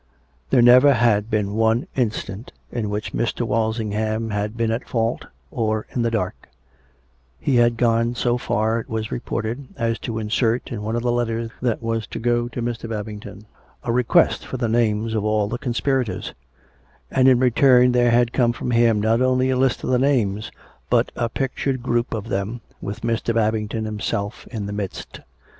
There never had been one instant in which Mr. Walsingham had been at fault, or in the dark: he had gone so far, it was reported, as to insert in one of the letters that was to go to Mr. Babington a request for the names of all the conspirators, and in return there had come from him, not only a list of the names, but a pictured group of them, with Mr. Bab ington himself in the midst.